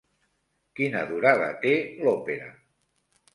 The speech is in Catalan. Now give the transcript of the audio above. Quina durada té l'òpera?